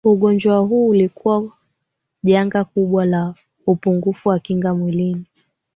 ugonjwa huo ulikuwa kuwa janga kubwa la upungufu wa kinga mwilini